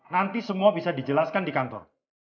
nanti semua bisa dijelaskan di kantor